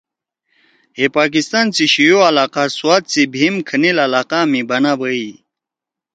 ہے پاکستان سی شیو علاقہ سوات سی بھیِم کھنیِل علاقہ می بنا بَییئ۔